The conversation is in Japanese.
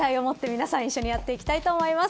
皆さん、一緒にやっていきたいと思います。